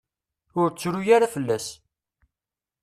Ur ttru ara fell-as.